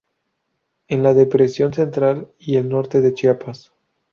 En la Depresión Central y el norte de Chiapas.